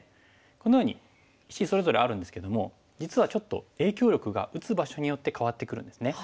このように石それぞれあるんですけども実はちょっと影響力が打つ場所によって変わってくるんですね。